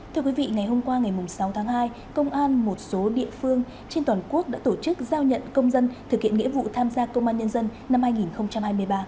thưa quý vị ngày hôm qua ngày sáu tháng hai công an một số địa phương trên toàn quốc đã tổ chức giao nhận công dân thực hiện nghĩa vụ tham gia công an nhân dân năm hai nghìn hai mươi ba